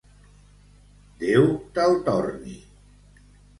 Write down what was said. Déu te'l torni.